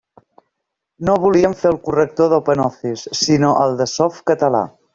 No volíem fer el corrector d'OpenOffice, sinó el de Softcatalà.